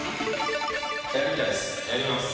やりたいです。